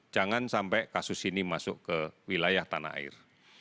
jangan sampai kasus ini masuk ke wilayah tanah air